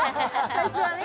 最初はね